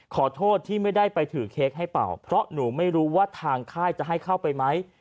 ขอโทษที่ไม่ได้ไปถือเค้กให้เป่าเพราะหนูไม่รู้ว่าทางค่ายจะให้เข้าไปไหม